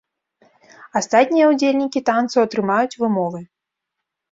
Астатнія ўдзельнікі танцу атрымаюць вымовы.